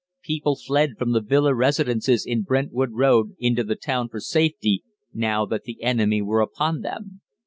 People fled from the villa residences in Brentwood Road into the town for safety, now that the enemy were upon them.